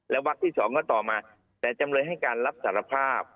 วักที่๒ก็ต่อมาแต่จำเลยให้การรับสารภาพ